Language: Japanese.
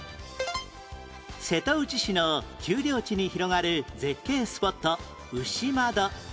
瀬戸内市の丘陵地に広がる絶景スポット牛窓